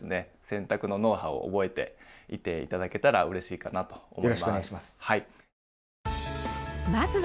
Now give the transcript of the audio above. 洗濯のノウハウを覚えていて頂けたらうれしいかなと思います。